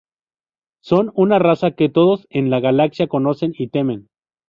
Son una raza que todos en la galaxia conocen y temen.